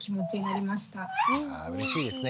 いやうれしいですね。